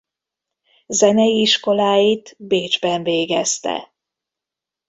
Zenei iskoláit Bécsben végezte.